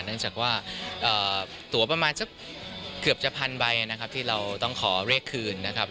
เนื่องจากว่าตัวประมาณสักเกือบจะพันใบนะครับที่เราต้องขอเรียกคืนนะครับ